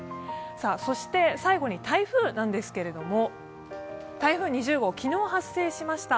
そして最後に台風なんですけれども、台風２０号、昨日発生しました。